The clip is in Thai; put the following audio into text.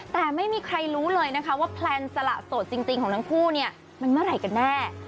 แต่ไม่มีใครรู้เลยนะคะว่าแพลนสละโสดจริงของทั้งคู่เนี่ยมันเมื่อไหร่กันแน่